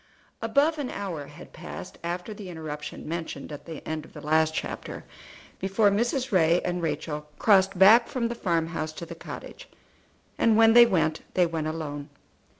Above an hour had passed after the interruption mentioned at the end of the last chapter before Mrs. Ray and Rachel crossed back from the farm house to the cottage, and when they went they went alone.